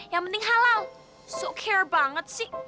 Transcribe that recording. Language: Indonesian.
yang penting halal so care banget sih